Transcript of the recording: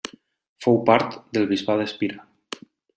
Fou part del bisbat d'Espira.